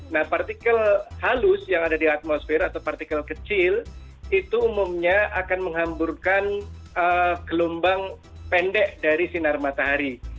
nah partikel halus yang ada di atmosfer atau partikel kecil itu umumnya akan menghamburkan gelombang pendek dari sinar matahari